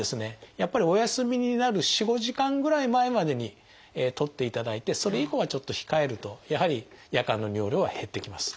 やっぱりお休みになる４５時間ぐらい前までにとっていただいてそれ以降はちょっと控えるとやはり夜間の尿量は減ってきます。